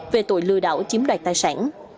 về tội lừa đảo chiếm đoạt tài sản